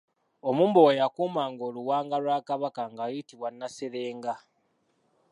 Omumbowa eyakuumanga Oluwanga lwa Kabaka nga ayitibwa Nasserenga.